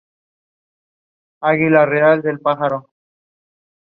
El video estará listo para la segunda semana del mes de marzo.